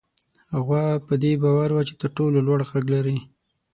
غوا په دې باور وه چې تر ټولو لوړ غږ لري.